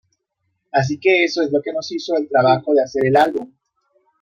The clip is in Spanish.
Así que eso es lo que nos hizo el trabajo de hacer el álbum.